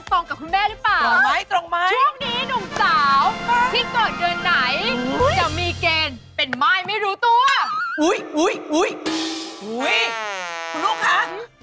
ตอนนี้ไปอัพเดทกันเลยในช่วง